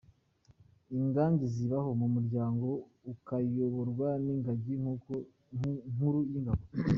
Ingagi zibaho mu muryango, ukayoborwa n’ingagi nkuru y’ingabo.